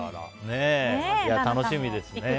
楽しみですね。